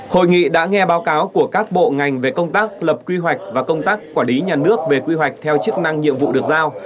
hội nghị đã nghe báo cáo của các bộ ngành về công tác lập quy hoạch và công tác quản lý nhà nước về quy hoạch theo chức năng nhiệm vụ được giao